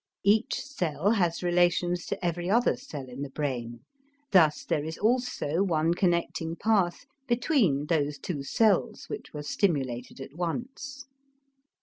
Each cell has relations to every other cell in the brain; thus there is also one connecting path between those two cells which were stimulated at once.